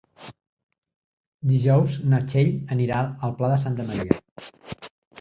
Dijous na Txell anirà al Pla de Santa Maria.